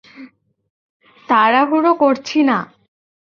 তাড়াহুড়ো করছি না।